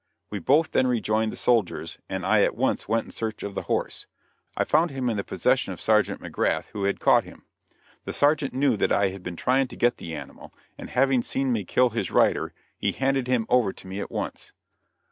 We both then rejoined the soldiers, and I at once went in search of the horse; I found him in the possession of Sergeant McGrath, who had caught him. The Sergeant knew that I had been trying to get the animal and having seen me kill his rider, he handed him over to me at once.